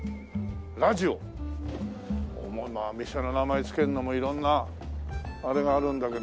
「らぢお」店の名前付けるのも色んなあれがあるんだけど。